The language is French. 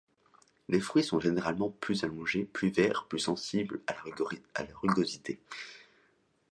Les fruits sont généralement plus allongés, plus verts, plus sensibles à la rugosité.